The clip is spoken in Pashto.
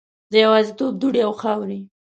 د یوازیتوب دوړې او خاورې